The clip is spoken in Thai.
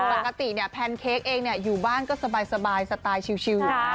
ปกติเนี่ยแพนเค้กเองอยู่บ้านก็สบายสไตล์ชิว